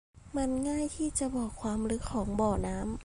มันง่ายที่จะบอกความลึกของบ่อน้ำ